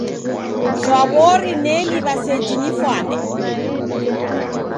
Shwa w'ori naliw'a seji nifwane.